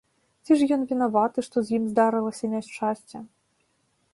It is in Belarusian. Ці ж ён вінаваты, што з ім здарылася няшчасце?